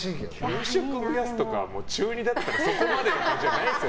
給食増やすとかは中２だったらそこまでじゃないですよ。